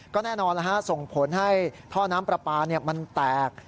ก็แน่นอนส่งผลให้ท่อน้ำปลาปลามันแตก